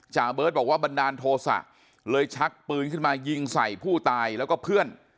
เบิร์ตบอกว่าบันดาลโทษะเลยชักปืนขึ้นมายิงใส่ผู้ตายแล้วก็เพื่อน